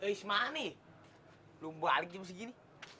ismah nih belum balik jam segini